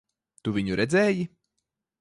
Tu viņu redzēji?